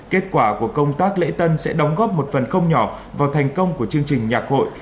kết quả của công tác lễ tân sẽ đóng góp một phần không nhỏ vào thành công của chương trình nhạc hội